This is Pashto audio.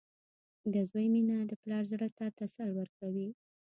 • د زوی مینه د پلار زړۀ ته تسل ورکوي.